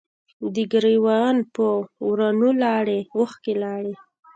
د ګریوان په ورونو لارې، اوښکې لارې